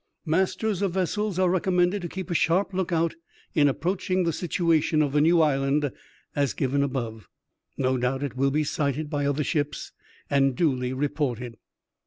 Masters of vessels are recommended to keep a sharp look out in approaching the situation of the new island as given above. No doubt, it will be sighted by other ships, and duly reported."